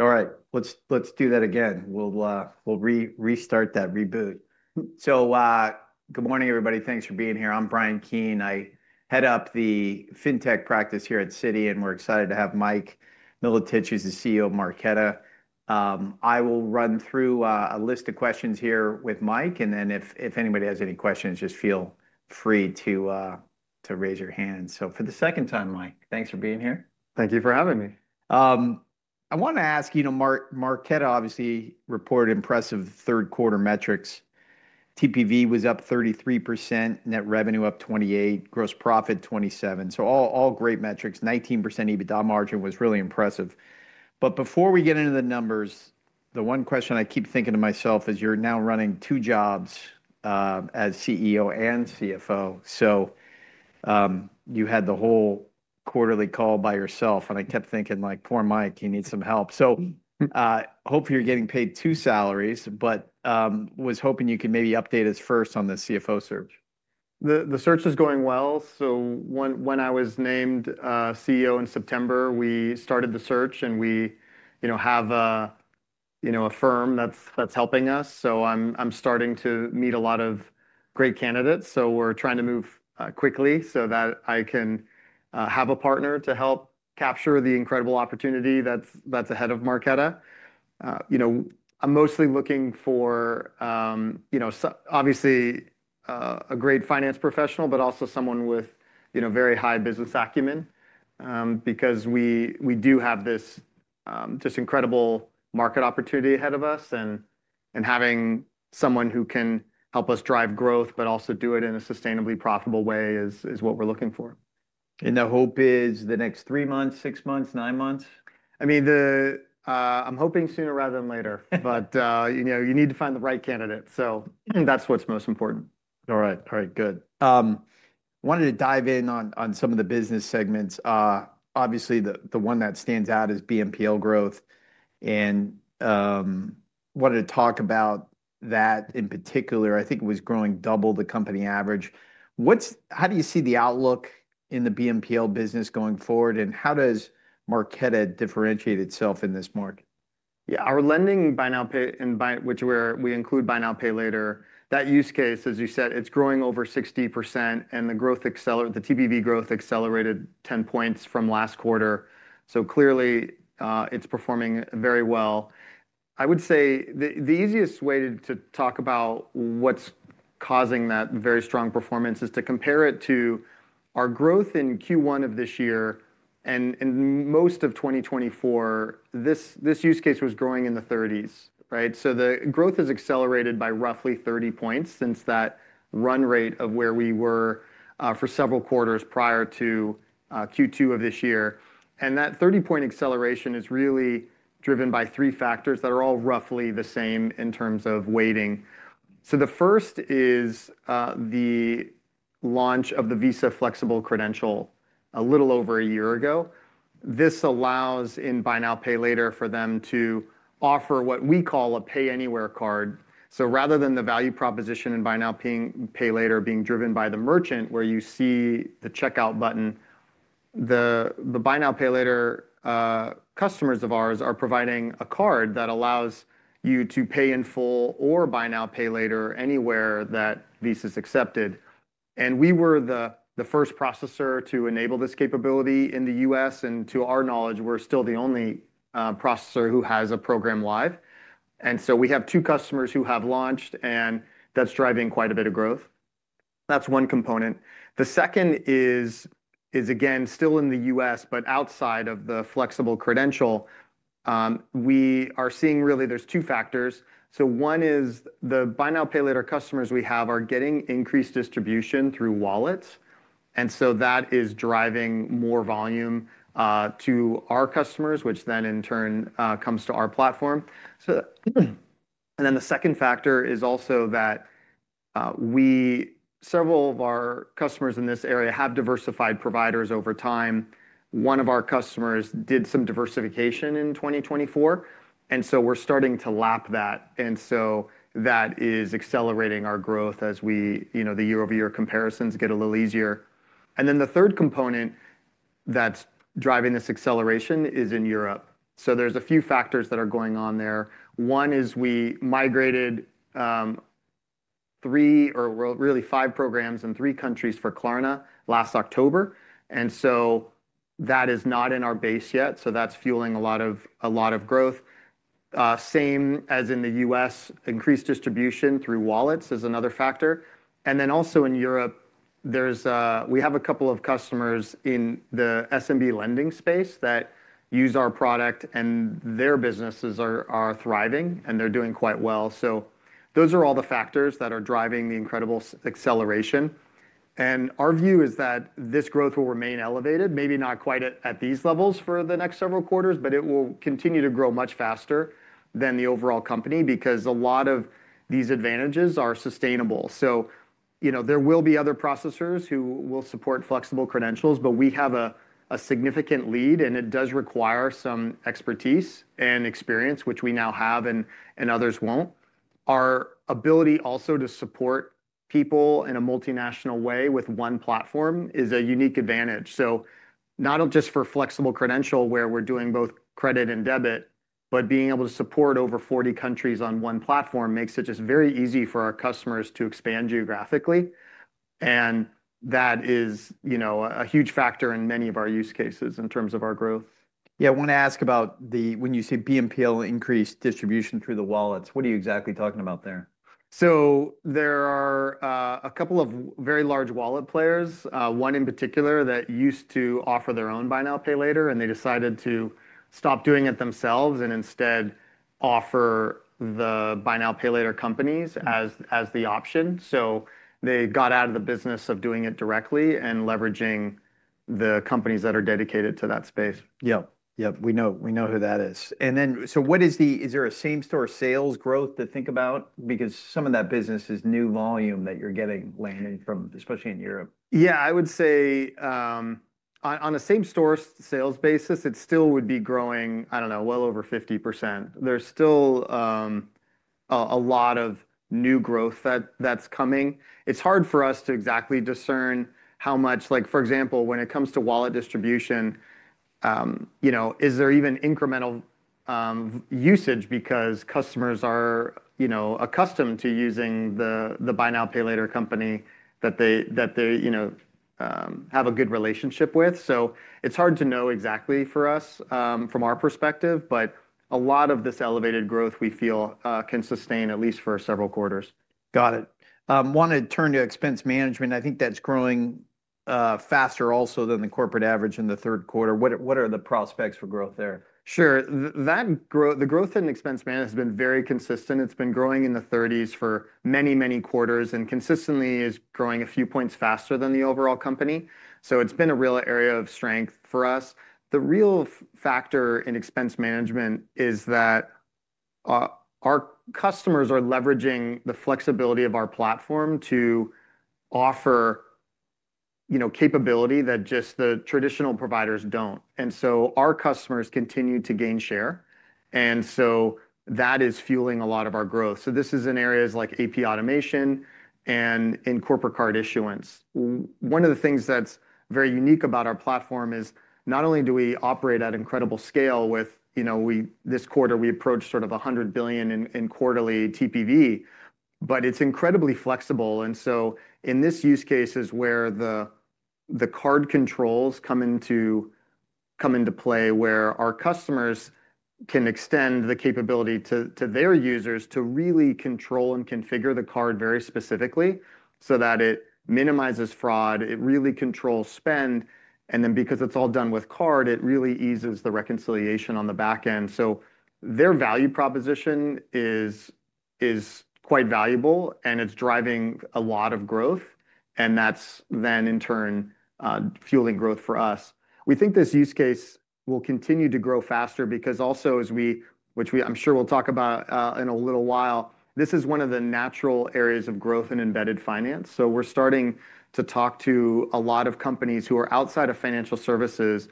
All right, let's do that again. We'll restart that reboot. Good morning, everybody. Thanks for being here. I'm Bryan Keane. I head up the FinTech practice here at Citi, and we're excited to have Mike Milotich, who's the CEO of Marqeta. I will run through a list of questions here with Mike, and if anybody has any questions, just feel free to raise your hand. For the second time, Mike, thanks for being here. Thank you for having me. I want to ask, you know, Marqeta, obviously, reported impressive third-quarter metrics. TPV was up 33%, net revenue up 28%, gross profit 27%. All great metrics. 19% EBITDA margin was really impressive. Before we get into the numbers, the one question I keep thinking to myself is you're now running two jobs as CEO and CFO. You had the whole quarterly call by yourself, and I kept thinking, like, poor Mike, he needs some help. Hopefully you're getting paid two salaries, but was hoping you could maybe update us first on the CFO search. The search is going well. When I was named CEO in September, we started the search, and we have a firm that's helping us. I'm starting to meet a lot of great candidates. We're trying to move quickly so that I can have a partner to help capture the incredible opportunity that's ahead of Marqeta. I'm mostly looking for, obviously, a great finance professional, but also someone with very high business acumen, because we do have this just incredible market opportunity ahead of us. Having someone who can help us drive growth, but also do it in a sustainably profitable way is what we're looking for. The hope is the next three months, six months, nine months? I mean, I'm hoping sooner rather than later, but you need to find the right candidate. So that's what's most important. All right. All right. Good. I wanted to dive in on some of the business segments. Obviously, the one that stands out is BNPL growth. I wanted to talk about that in particular. I think it was growing double the company average. How do you see the outlook in the BNPL business going forward, and how does Marqeta differentiate itself in this market? Yeah, our lending buy now pay, which we include buy now pay later, that use case, as you said, it's growing over 60%, and the TPV growth accelerated 10 points from last quarter. Clearly, it's performing very well. I would say the easiest way to talk about what's causing that very strong performance is to compare it to our growth in Q1 of this year. Most of 2024, this use case was growing in the 30s, right? The growth has accelerated by roughly 30 points since that run rate of where we were for several quarters prior to Q2 of this year. That 30-point acceleration is really driven by three factors that are all roughly the same in terms of weighting. The first is the launch of the Visa Flexible Credential a little over a year ago. This allows in buy now pay later for them to offer what we call a Payanywhere Card. Rather than the value proposition in buy now pay later being driven by the merchant where you see the checkout button, the buy now pay later customers of ours are providing a card that allows you to pay in full or buy now pay later anywhere that Visa's accepted. We were the first processor to enable this capability in the U.S. To our knowledge, we're still the only processor who has a program live. We have two customers who have launched, and that's driving quite a bit of growth. That's one component. The second is, again, still in the U.S., but outside of the flexible credential, we are seeing really there's two factors. One is the buy now pay later customers we have are getting increased distribution through wallets. That is driving more volume to our customers, which then in turn comes to our platform. The second factor is also that several of our customers in this area have diversified providers over time. One of our customers did some diversification in 2024, and we are starting to lap that. That is accelerating our growth as the year-over-year comparisons get a little easier. The third component that is driving this acceleration is in Europe. There are a few factors that are going on there. One is we migrated three or really five programs in three countries for Klarna last October. That is not in our base yet. That is fueling a lot of growth. Same as in the U.S., increased distribution through wallets is another factor. Also in Europe, we have a couple of customers in the SMB lending space that use our product, and their businesses are thriving, and they are doing quite well. Those are all the factors that are driving the incredible acceleration. Our view is that this growth will remain elevated, maybe not quite at these levels for the next several quarters, but it will continue to grow much faster than the overall company because a lot of these advantages are sustainable. There will be other processors who will support flexible credentials, but we have a significant lead, and it does require some expertise and experience, which we now have and others will not. Our ability also to support people in a multinational way with one platform is a unique advantage. Not just for flexible credential where we're doing both credit and debit, but being able to support over 40 countries on one platform makes it just very easy for our customers to expand geographically. That is a huge factor in many of our use cases in terms of our growth. Yeah, I want to ask about when you say BNPL increased distribution through the wallets, what are you exactly talking about there? There are a couple of very large wallet players, one in particular that used to offer their own buy now pay later, and they decided to stop doing it themselves and instead offer the buy now pay later companies as the option. They got out of the business of doing it directly and leveraging the companies that are dedicated to that space. Yep. Yep. We know who that is. And then what is the, is there a same-store sales growth to think about? Because some of that business is new volume that you're getting landing from, especially in Europe. Yeah, I would say on a same-store sales basis, it still would be growing, I don't know, well over 50%. There's still a lot of new growth that's coming. It's hard for us to exactly discern how much, like, for example, when it comes to wallet distribution, is there even incremental usage because customers are accustomed to using the buy now pay later company that they have a good relationship with. So it's hard to know exactly for us from our perspective, but a lot of this elevated growth we feel can sustain at least for several quarters. Got it. I want to turn to expense management. I think that's growing faster also than the corporate average in the third quarter. What are the prospects for growth there? Sure. The growth in expense management has been very consistent. It's been growing in the 30% for many, many quarters and consistently is growing a few points faster than the overall company. It's been a real area of strength for us. The real factor in expense management is that our customers are leveraging the flexibility of our platform to offer capability that just the traditional providers do not. Our customers continue to gain share. That is fueling a lot of our growth. This is in areas like AP automation and in corporate card issuance. One of the things that's very unique about our platform is not only do we operate at incredible scale with, this quarter, we approached sort of $100 billion in quarterly TPV, but it's incredibly flexible. In this use case is where the card controls come into play where our customers can extend the capability to their users to really control and configure the card very specifically so that it minimizes fraud, it really controls spend. Then because it is all done with card, it really eases the reconciliation on the back end. Their value proposition is quite valuable, and it is driving a lot of growth, and that is then in turn fueling growth for us. We think this use case will continue to grow faster because also, as we, which I am sure we will talk about in a little while, this is one of the natural areas of growth in embedded finance. We're starting to talk to a lot of companies who are outside of financial services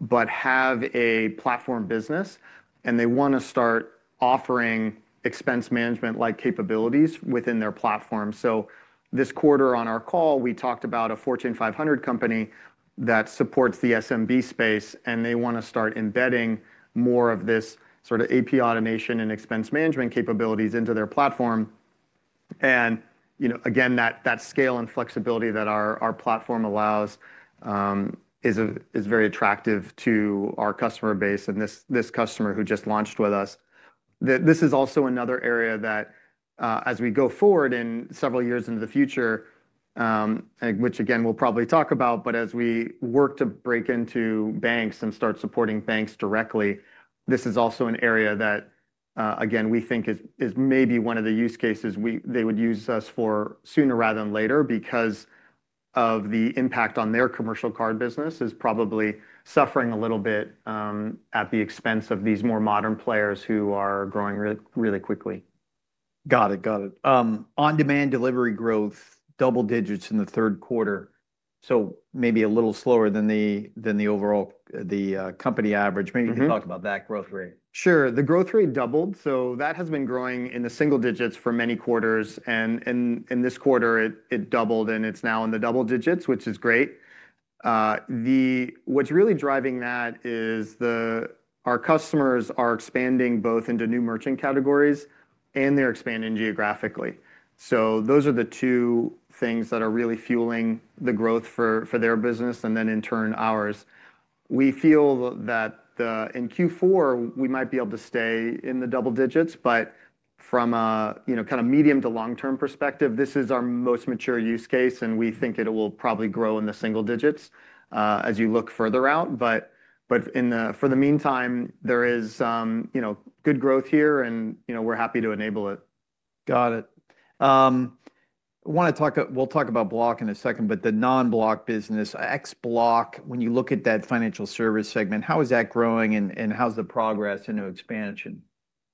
but have a platform business, and they want to start offering expense management-like capabilities within their platform. This quarter on our call, we talked about a Fortune 500 company that supports the SMB space, and they want to start embedding more of this sort of AP automation and expense management capabilities into their platform. Again, that scale and flexibility that our platform allows is very attractive to our customer base and this customer who just launched with us. This is also another area that as we go forward in several years into the future, which again, we'll probably talk about, but as we work to break into banks and start supporting banks directly, this is also an area that, again, we think is maybe one of the use cases they would use us for sooner rather than later because of the impact on their commercial card business is probably suffering a little bit at the expense of these more modern players who are growing really quickly. Got it. Got it. On-demand delivery growth, double digits in the third quarter. Maybe a little slower than the overall company average. Maybe you can talk about that growth rate. Sure. The growth rate doubled. That has been growing in the single digits for many quarters. In this quarter, it doubled, and it's now in the double digits, which is great. What's really driving that is our customers are expanding both into new merchant categories, and they're expanding geographically. Those are the two things that are really fueling the growth for their business and then in turn ours. We feel that in Q4, we might be able to stay in the double digits, but from a kind of medium to long-term perspective, this is our most mature use case, and we think it will probably grow in the single digits as you look further out. For the meantime, there is good growth here, and we're happy to enable it. Got it. We'll talk about Block in a second, but the non-Block business, Xblock, when you look at that financial service segment, how is that growing and how's the progress in expansion?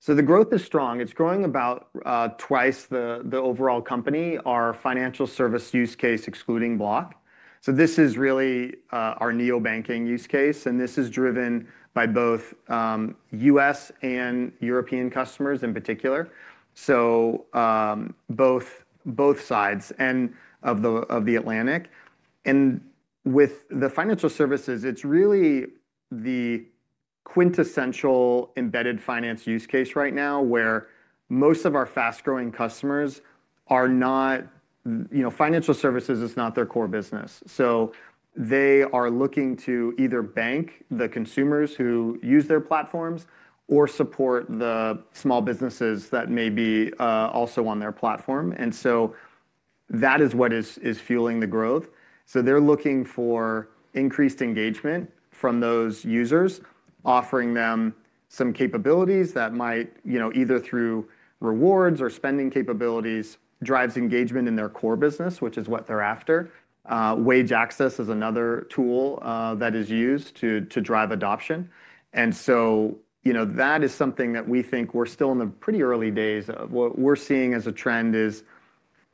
The growth is strong. It's growing about twice the overall company. Our financial service use case excluding Block. This is really our neobanking use case, and this is driven by both U.S. and European customers in particular. Both sides of the Atlantic. With the financial services, it's really the quintessential embedded finance use case right now where most of our fast-growing customers are not financial services is not their core business. They are looking to either bank the consumers who use their platforms or support the small businesses that may be also on their platform. That is what is fueling the growth. They're looking for increased engagement from those users, offering them some capabilities that might either through rewards or spending capabilities drive engagement in their core business, which is what they're after. Wage access is another tool that is used to drive adoption. That is something that we think we're still in the pretty early days. What we're seeing as a trend is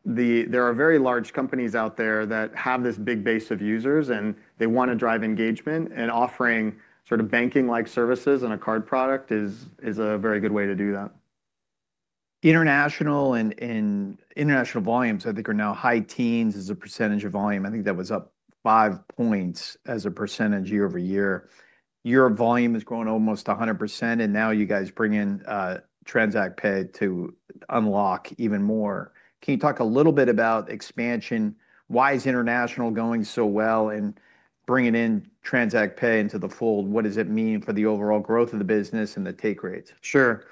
there are very large companies out there that have this big base of users, and they want to drive engagement. Offering sort of banking-like services and a card product is a very good way to do that. International volumes, I think, are now high teens as a percentage of volume. I think that was up five percentage points as a percentage year-over-year. Your volume has grown almost 100%, and now you guys bring in TransactPay to unlock even more. Can you talk a little bit about expansion? Why is international going so well and bringing in TransactPay into the fold? What does it mean for the overall growth of the business and the take rates? Sure.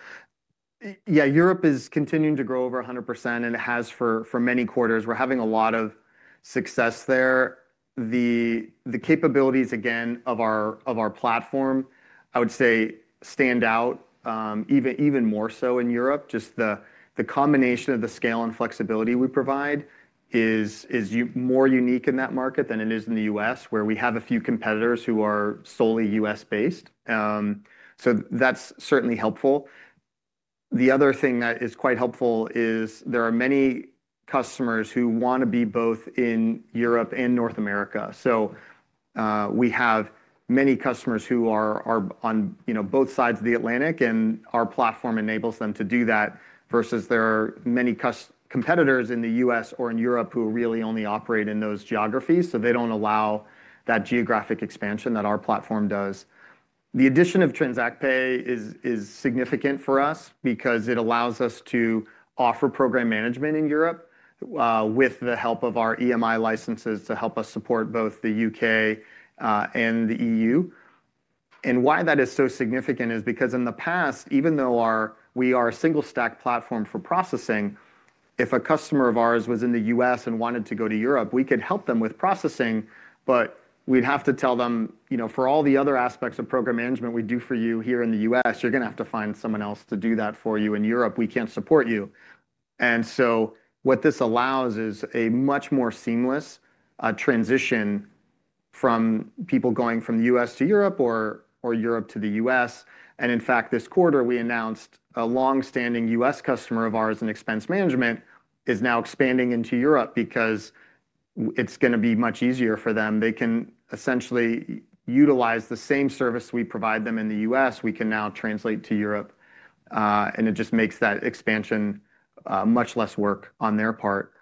Yeah, Europe is continuing to grow over 100%, and it has for many quarters. We're having a lot of success there. The capabilities, again, of our platform, I would say, stand out even more so in Europe. Just the combination of the scale and flexibility we provide is more unique in that market than it is in the U.S., where we have a few competitors who are solely U.S.-based. That is certainly helpful. The other thing that is quite helpful is there are many customers who want to be both in Europe and North America. We have many customers who are on both sides of the Atlantic, and our platform enables them to do that versus there are many competitors in the U.S. or in Europe who really only operate in those geographies. They do not allow that geographic expansion that our platform does. The addition of TransactPay is significant for us because it allows us to offer program management in Europe with the help of our EMI licenses to help us support both the U.K. and the EU. Why that is so significant is because in the past, even though we are a single-stack platform for processing, if a customer of ours was in the U.S. and wanted to go to Europe, we could help them with processing, but we'd have to tell them, "For all the other aspects of program management we do for you here in the U.S., you're going to have to find someone else to do that for you in Europe. We can't support you." What this allows is a much more seamless transition from people going from the U.S. to Europe or Europe to the U.S. In fact, this quarter, we announced a long-standing U.S. customer of ours in expense management is now expanding into Europe because it's going to be much easier for them. They can essentially utilize the same service we provide them in the U.S. We can now translate to Europe, and it just makes that expansion much less work on their part.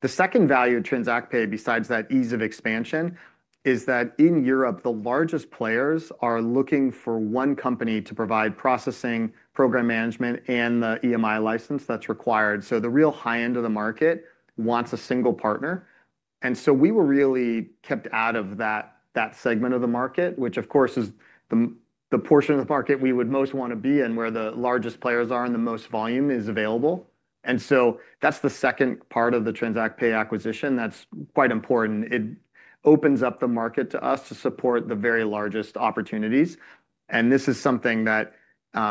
The second value of TransactPay, besides that ease of expansion, is that in Europe, the largest players are looking for one company to provide processing, program management, and the EMI license that's required. The real high end of the market wants a single partner. We were really kept out of that segment of the market, which of course is the portion of the market we would most want to be in where the largest players are and the most volume is available. That is the second part of the TransactPay acquisition that is quite important. It opens up the market to us to support the very largest opportunities. This is something that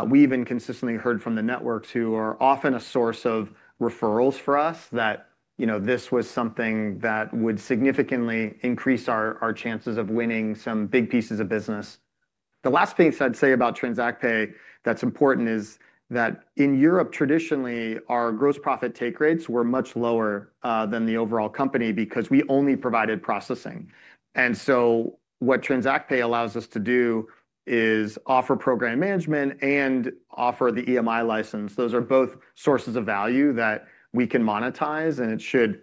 we have inconsistently heard from the networks, who are often a source of referrals for us, that this was something that would significantly increase our chances of winning some big pieces of business. The last thing I would say about TransactPay that is important is that in Europe, traditionally, our gross profit take rates were much lower than the overall company because we only provided processing. What TransactPay allows us to do is offer program management and offer the EMI license. Those are both sources of value that we can monetize, and it should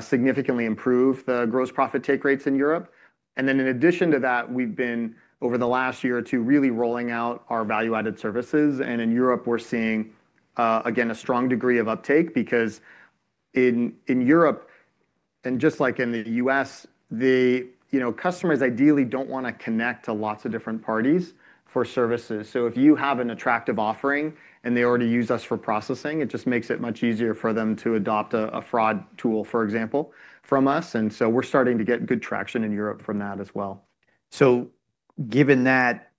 significantly improve the gross profit take rates in Europe. In addition to that, we've been over the last year or two really rolling out our value-added services. In Europe, we're seeing, again, a strong degree of uptake because in Europe, and just like in the U.S., the customers ideally do not want to connect to lots of different parties for services. If you have an attractive offering and they already use us for processing, it just makes it much easier for them to adopt a fraud tool, for example, from us. We are starting to get good traction in Europe from that as well. Given that,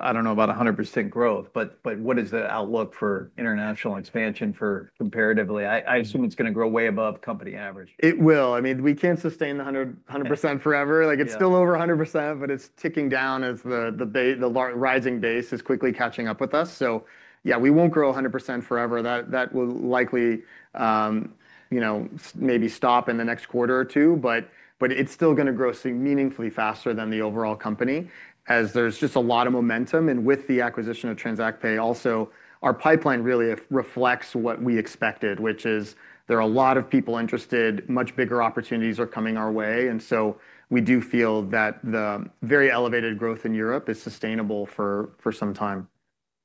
I don't know about 100% growth, but what is the outlook for international expansion for comparatively? I assume it's going to grow way above company average. It will. I mean, we can't sustain 100% forever. It's still over 100%, but it's ticking down as the rising base is quickly catching up with us. Yeah, we won't grow 100% forever. That will likely maybe stop in the next quarter or two, but it's still going to grow meaningfully faster than the overall company as there's just a lot of momentum. With the acquisition of TransactPay also, our pipeline really reflects what we expected, which is there are a lot of people interested, much bigger opportunities are coming our way. We do feel that the very elevated growth in Europe is sustainable for some time.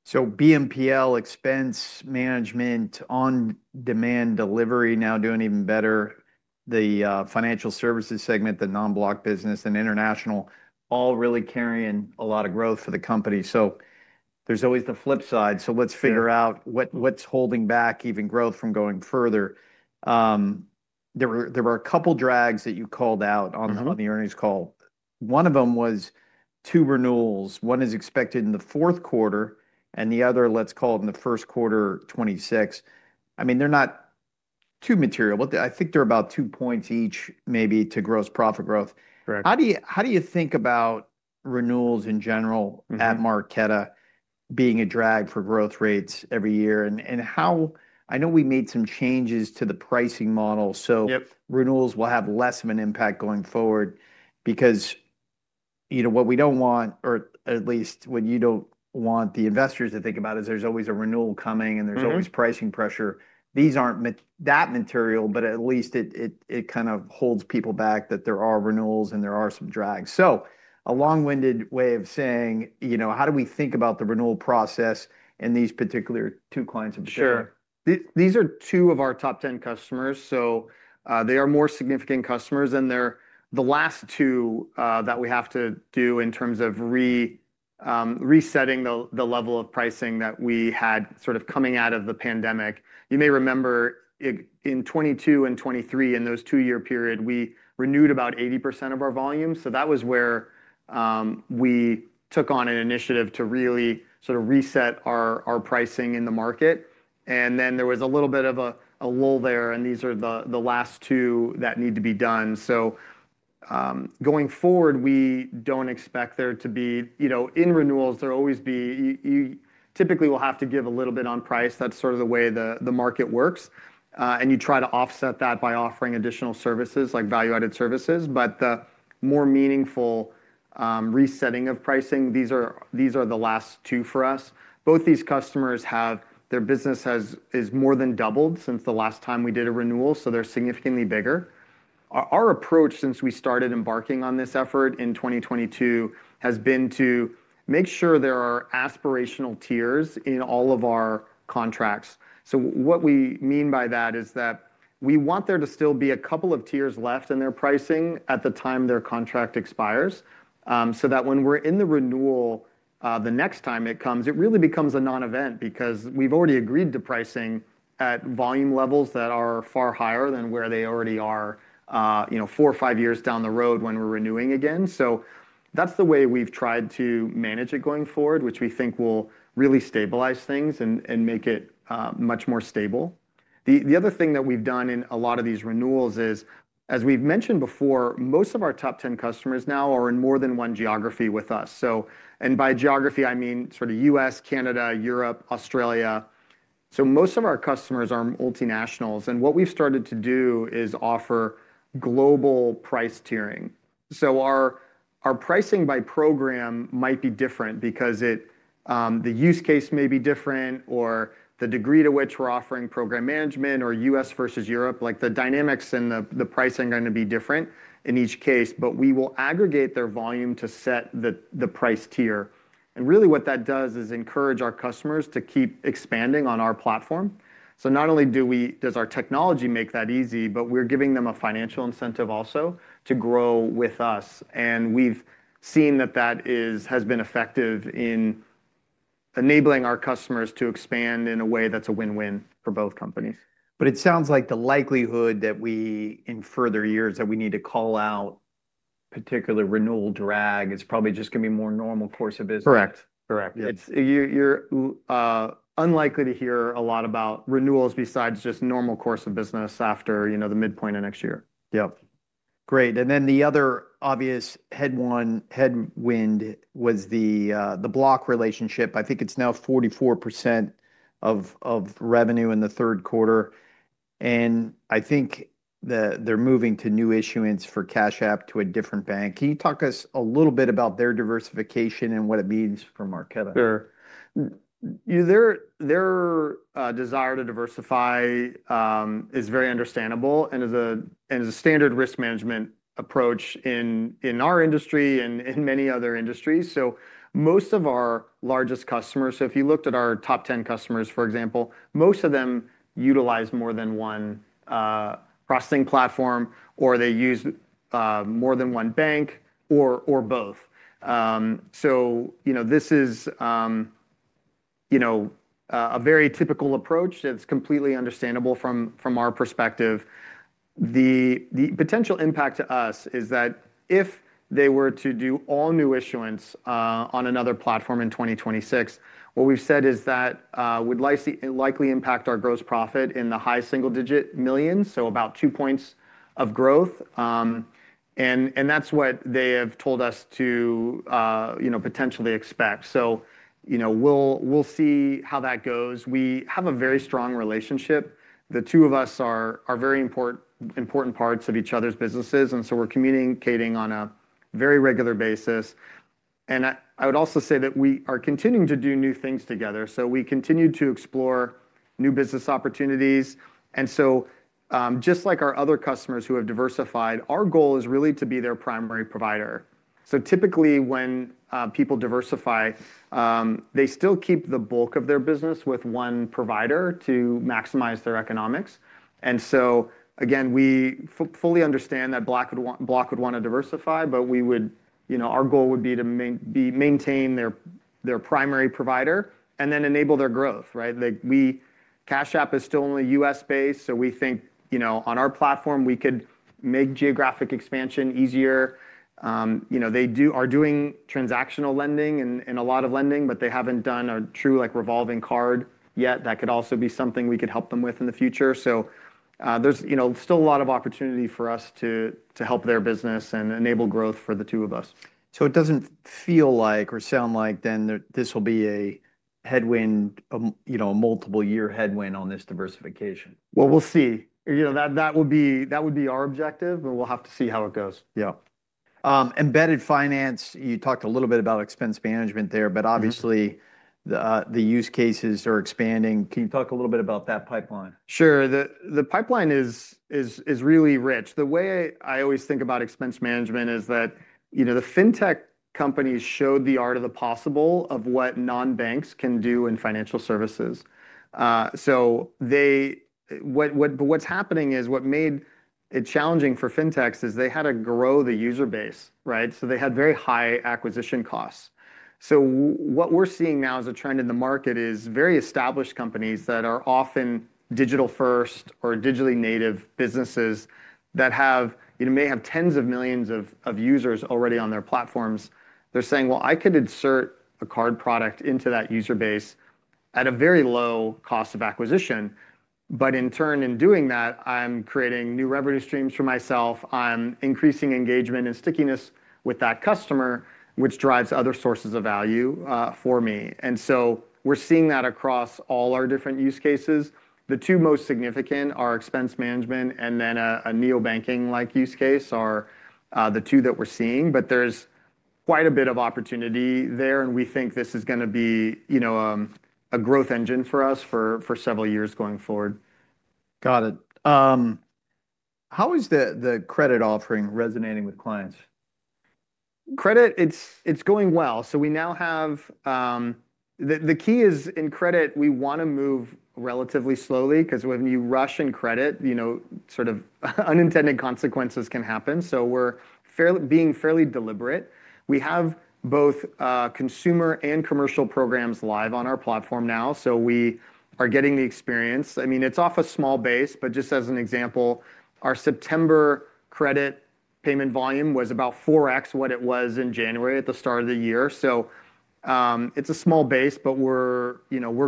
BNPL, expense management, on-demand delivery now doing even better, the financial services segment, the non-Block business, and international all really carrying a lot of growth for the company. There is always the flip side. Let's figure out what's holding back even growth from going further. There were a couple of drags that you called out on the earnings call. One of them was two renewals. One is expected in the fourth quarter, and the other, let's call it in the first quarter, 2026. I mean, they're not too material. I think they're about two points each maybe to gross profit growth. How do you think about renewals in general at Marqeta being a drag for growth rates every year? I know we made some changes to the pricing model. Renewals will have less of an impact going forward because what we do not want, or at least what you do not want the investors to think about, is there is always a renewal coming and there is always pricing pressure. These are not that material, but at least it kind of holds people back that there are renewals and there are some drags. A long-winded way of saying, how do we think about the renewal process in these particular two clients in particular? Sure. These are two of our top 10 customers. They are more significant customers than the last two that we have to do in terms of resetting the level of pricing that we had sort of coming out of the pandemic. You may remember in 2022 and 2023, in those two-year period, we renewed about 80% of our volume. That was where we took on an initiative to really sort of reset our pricing in the market. There was a little bit of a lull there, and these are the last two that need to be done. Going forward, we do not expect there to be in renewals, you typically will have to give a little bit on price. That is sort of the way the market works. You try to offset that by offering additional services like value-added services. The more meaningful resetting of pricing, these are the last two for us. Both these customers have their business has more than doubled since the last time we did a renewal. They are significantly bigger. Our approach since we started embarking on this effort in 2022 has been to make sure there are aspirational tiers in all of our contracts. What we mean by that is that we want there to still be a couple of tiers left in their pricing at the time their contract expires so that when we are in the renewal the next time it comes, it really becomes a non-event because we have already agreed to pricing at volume levels that are far higher than where they already are four or five years down the road when we are renewing again. That's the way we've tried to manage it going forward, which we think will really stabilize things and make it much more stable. The other thing that we've done in a lot of these renewals is, as we've mentioned before, most of our top 10 customers now are in more than one geography with us. By geography, I mean sort of U.S., Canada, Europe, Australia. Most of our customers are multinationals. What we've started to do is offer global price tiering. Our pricing by program might be different because the use case may be different or the degree to which we're offering program management or U.S. versus Europe, like the dynamics and the pricing are going to be different in each case, but we will aggregate their volume to set the price tier. What that does is encourage our customers to keep expanding on our platform. Not only does our technology make that easy, but we're giving them a financial incentive also to grow with us. We've seen that has been effective in enabling our customers to expand in a way that's a win-win for both companies. It sounds like the likelihood that we in further years that we need to call out particular renewal drag is probably just going to be more normal course of business. Correct. Correct. You're unlikely to hear a lot about renewals besides just normal course of business after the midpoint of next year. Yep. Great. The other obvious headwind was the Block relationship. I think it's now 44% of revenue in the third quarter. I think they're moving to new issuance for Cash App to a different bank. Can you talk to us a little bit about their diversification and what it means for Marqeta? Sure. Their desire to diversify is very understandable and is a standard risk management approach in our industry and in many other industries. Most of our largest customers, so if you looked at our top 10 customers, for example, most of them utilize more than one processing platform or they use more than one bank or both. This is a very typical approach. It is completely understandable from our perspective. The potential impact to us is that if they were to do all new issuance on another platform in 2026, what we have said is that would likely impact our gross profit in the high single-digit millions, so about two points of growth. That is what they have told us to potentially expect. We will see how that goes. We have a very strong relationship. The two of us are very important parts of each other's businesses. We are communicating on a very regular basis. I would also say that we are continuing to do new things together. We continue to explore new business opportunities. Just like our other customers who have diversified, our goal is really to be their primary provider. Typically when people diversify, they still keep the bulk of their business with one provider to maximize their economics. We fully understand that Block would want to diversify, but our goal would be to maintain their primary provider and then enable their growth. Cash App is still only U.S.-based. We think on our platform, we could make geographic expansion easier. They are doing transactional lending and a lot of lending, but they have not done a true revolving card yet. That could also be something we could help them with in the future. There's still a lot of opportunity for us to help their business and enable growth for the two of us. It doesn't feel like or sound like then this will be a headwind, a multiple-year headwind on this diversification. We'll see. That would be our objective, but we'll have to see how it goes. Yeah. Embedded finance, you talked a little bit about expense management there, but obviously the use cases are expanding. Can you talk a little bit about that pipeline? Sure. The pipeline is really rich. The way I always think about expense management is that the fintech companies showed the art of the possible of what non-banks can do in financial services. What's happening is what made it challenging for fintechs is they had to grow the user base, right? They had very high acquisition costs. What we're seeing now as a trend in the market is very established companies that are often digital-first or digitally native businesses that may have tens of millions of users already on their platforms. They're saying, "I could insert a card product into that user base at a very low cost of acquisition." In turn, in doing that, I'm creating new revenue streams for myself. I'm increasing engagement and stickiness with that customer, which drives other sources of value for me. We're seeing that across all our different use cases. The two most significant are expense management and then a neobanking-like use case are the two that we're seeing. There is quite a bit of opportunity there, and we think this is going to be a growth engine for us for several years going forward. Got it. How is the credit offering resonating with clients? Credit, it's going well. We now have—the key is in credit, we want to move relatively slowly because when you rush in credit, sort of unintended consequences can happen. We're being fairly deliberate. We have both consumer and commercial programs live on our platform now. We're getting the experience. I mean, it's off a small base, but just as an example, our September credit payment volume was about 4x what it was in January at the start of the year. It's a small base, but we're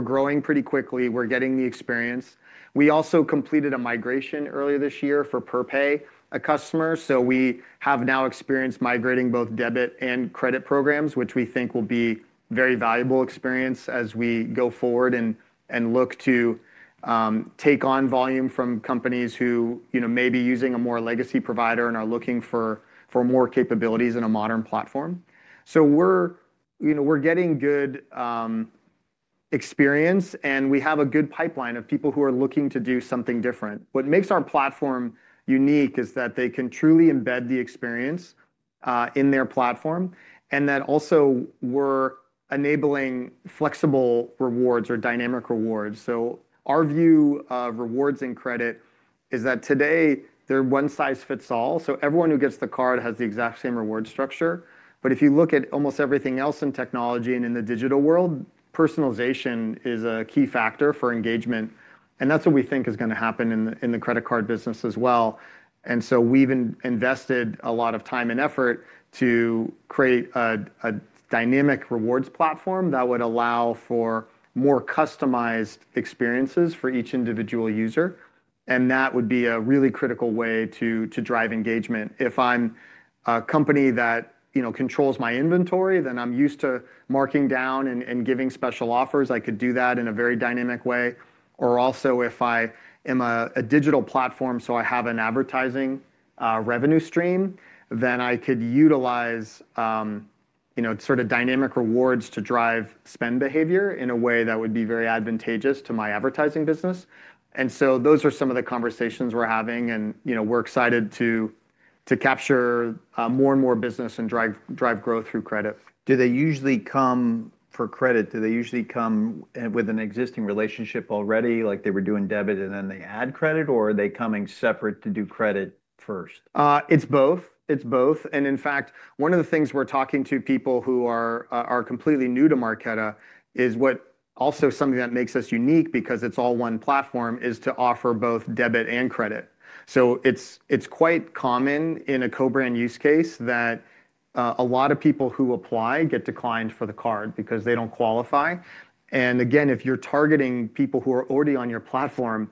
growing pretty quickly. We're getting the experience. We also completed a migration earlier this year for Perpay, a customer. We have now experienced migrating both debit and credit programs, which we think will be a very valuable experience as we go forward and look to take on volume from companies who may be using a more legacy provider and are looking for more capabilities in a modern platform. We're getting good experience, and we have a good pipeline of people who are looking to do something different. What makes our platform unique is that they can truly embed the experience in their platform and that also we're enabling flexible rewards or dynamic rewards. Our view of rewards and credit is that today they're one size fits all. Everyone who gets the card has the exact same reward structure. If you look at almost everything else in technology and in the digital world, personalization is a key factor for engagement. That is what we think is going to happen in the credit card business as well. We have invested a lot of time and effort to create a dynamic rewards platform that would allow for more customized experiences for each individual user. That would be a really critical way to drive engagement. If I am a company that controls my inventory, then I am used to marking down and giving special offers. I could do that in a very dynamic way. Also, if I am a digital platform, so I have an advertising revenue stream, then I could utilize sort of dynamic rewards to drive spend behavior in a way that would be very advantageous to my advertising business. Those are some of the conversations we are having. We are excited to capture more and more business and drive growth through credit. Do they usually come for credit? Do they usually come with an existing relationship already, like they were doing debit and then they add credit, or are they coming separate to do credit first? It's both. It's both. In fact, one of the things we're talking to people who are completely new to Marqeta is what also something that makes us unique because it's all one platform is to offer both debit and credit. It's quite common in a co-brand use case that a lot of people who apply get declined for the card because they don't qualify. If you're targeting people who are already on your platform,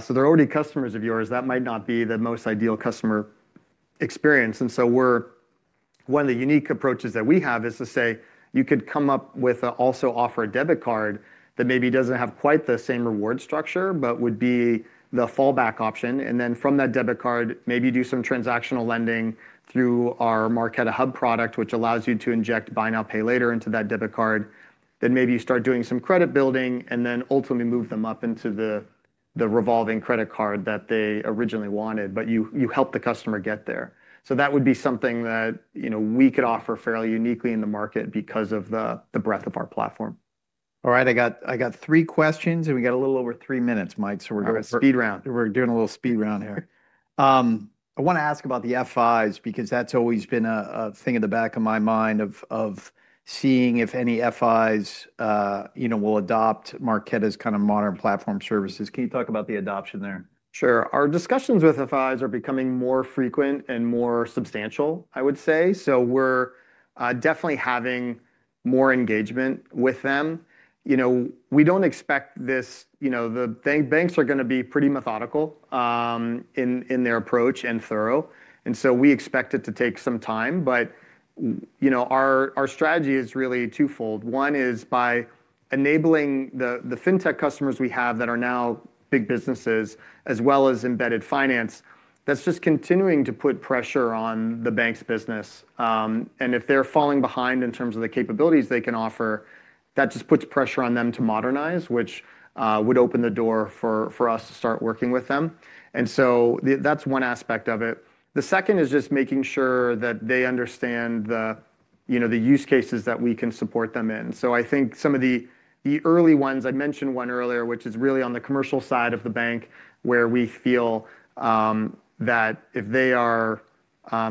so they're already customers of yours, that might not be the most ideal customer experience. One of the unique approaches that we have is to say, you could come up with also offer a debit card that maybe doesn't have quite the same reward structure, but would be the fallback option. From that debit card, maybe do some transactional lending through our Marqeta Hub product, which allows you to inject buy now, pay later into that debit card. Maybe you start doing some credit building and then ultimately move them up into the revolving credit card that they originally wanted, but you help the customer get there. That would be something that we could offer fairly uniquely in the market because of the breadth of our platform. All right. I got three questions and we got a little over three minutes, Mike. So we're doing a speed round. We're doing a little speed round here. I want to ask about the FIs because that's always been a thing in the back of my mind of seeing if any FIs will adopt Marqeta's kind of modern platform services. Can you talk about the adoption there? Sure. Our discussions with FIs are becoming more frequent and more substantial, I would say. We're definitely having more engagement with them. We don't expect this; the banks are going to be pretty methodical in their approach and thorough. We expect it to take some time. Our strategy is really twofold. One is by enabling the fintech customers we have that are now big businesses as well as embedded finance, that's just continuing to put pressure on the banks' business. If they're falling behind in terms of the capabilities they can offer, that just puts pressure on them to modernize, which would open the door for us to start working with them. That's one aspect of it. The second is just making sure that they understand the use cases that we can support them in. I think some of the early ones, I mentioned one earlier, which is really on the commercial side of the bank where we feel that if they are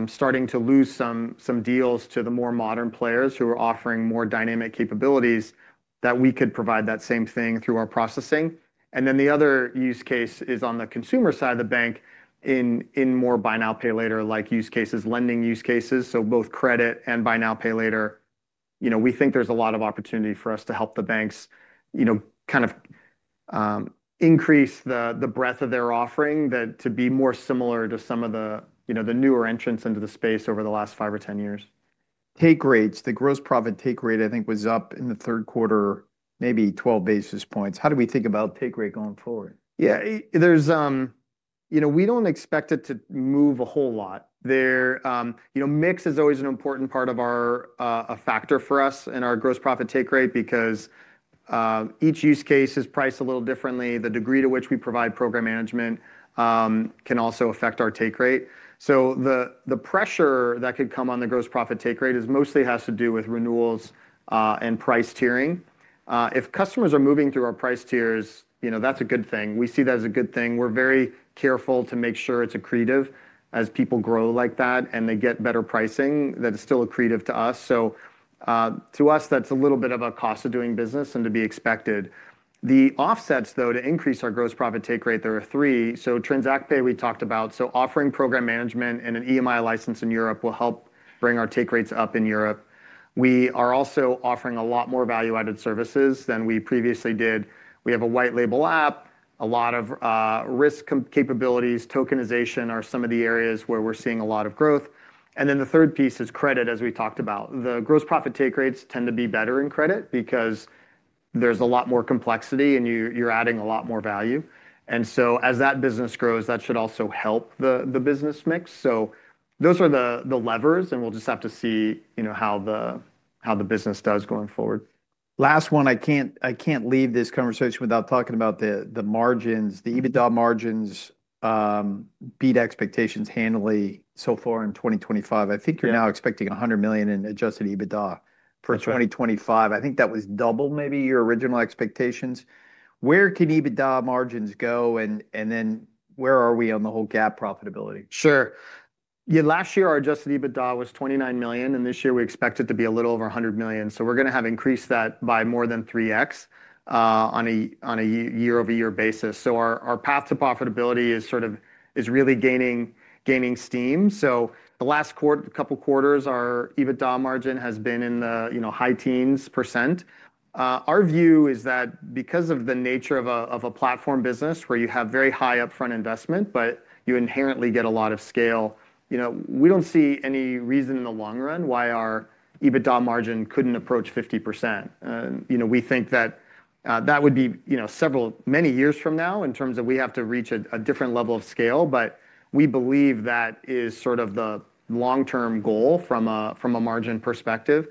starting to lose some deals to the more modern players who are offering more dynamic capabilities, that we could provide that same thing through our processing. Then the other use case is on the consumer side of the bank in more buy now, pay later-like use cases, lending use cases. Both credit and buy now, pay later, we think there's a lot of opportunity for us to help the banks kind of increase the breadth of their offering to be more similar to some of the newer entrants into the space over the last five or ten years. Take rates, the gross profit take rate I think was up in the third quarter maybe 12 basis points. How do we think about take rate going forward? Yeah, we don't expect it to move a whole lot. Mix is always an important part of our factor for us in our gross profit take rate because each use case is priced a little differently. The degree to which we provide program management can also affect our take rate. The pressure that could come on the gross profit take rate mostly has to do with renewals and price tiering. If customers are moving through our price tiers, that's a good thing. We see that as a good thing. We're very careful to make sure it's accretive as people grow like that and they get better pricing that is still accretive to us. To us, that's a little bit of a cost of doing business and to be expected. The offsets though to increase our gross profit take rate, there are three. TransactPay we talked about. Offering program management and an EMI license in Europe will help bring our take rates up in Europe. We are also offering a lot more value-added services than we previously did. We have a white label app, a lot of risk capabilities, tokenization are some of the areas where we're seeing a lot of growth. The third piece is credit, as we talked about. The gross profit take rates tend to be better in credit because there's a lot more complexity and you're adding a lot more value. As that business grows, that should also help the business mix. Those are the levers and we'll just have to see how the business does going forward. Last one, I can't leave this conversation without talking about the margins, the EBITDA margins beat expectations handily so far in 2025. I think you're now expecting $100 million in adjusted EBITDA for 2025. I think that was double maybe your original expectations. Where can EBITDA margins go and then where are we on the whole GAAP profitability? Sure. Last year, our adjusted EBITDA was $29 million, and this year we expect it to be a little over $100 million. We are going to have increased that by more than 3x on a year-over-year basis. Our path to profitability is really gaining steam. The last couple of quarters, our EBITDA margin has been in the high teens percent. Our view is that because of the nature of a platform business where you have very high upfront investment, but you inherently get a lot of scale, we do not see any reason in the long run why our EBITDA margin could not approach 50%. We think that that would be several many years from now in terms of we have to reach a different level of scale, but we believe that is sort of the long-term goal from a margin perspective.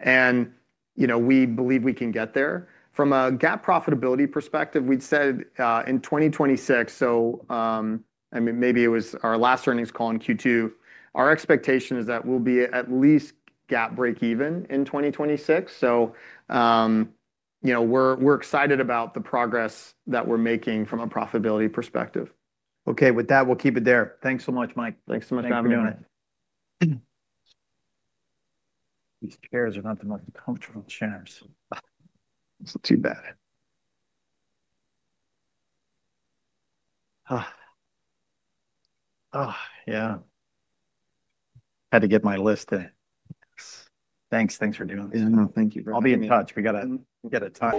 We believe we can get there. From a GAAP profitability perspective, we'd said in 2026, so maybe it was our last earnings call in Q2, our expectation is that we'll be at least GAAP break even in 2026. We are excited about the progress that we're making from a profitability perspective. Okay, with that, we'll keep it there. Thanks so much, Mike. Thanks so much for having me. These chairs are not the most comfortable chairs. It's too bad. Oh, yeah. I had to get my list in. Thanks. Thanks for doing this. Thank you. I'll be in touch. We got to.